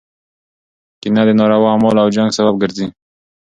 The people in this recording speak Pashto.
کینه د ناروا اعمالو او جنګ سبب ګرځي.